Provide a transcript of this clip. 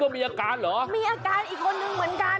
มีอาการอีกคนนึงเหมือนกัน